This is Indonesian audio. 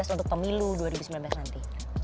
untuk pemilu dua ribu sembilan belas nanti